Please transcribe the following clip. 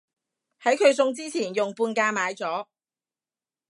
喺佢送之前用半價買咗